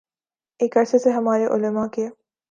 ایک عرصے سے ہمارے علما کے